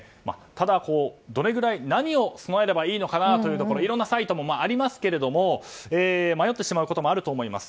ただ、どれぐらい何を備えればいいんだろうといろんなサイトもありますけれど迷ってしまうこともあると思います。